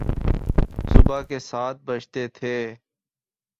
صبح کے سات بجتے تھے۔